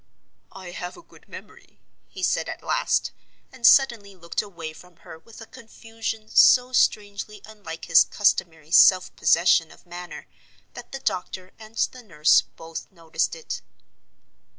"I have a good memory," he said at last; and suddenly looked away from her with a confusion so strangely unlike his customary self possession of manner that the doctor and the nurse both noticed it.